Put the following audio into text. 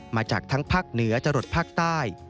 มาจากทั้งภาคเหนือจรดภาคใต้